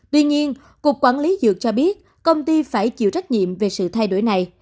tuy nhiên cục quản lý dược cho biết công ty phải chịu trách nhiệm về sự thay đổi này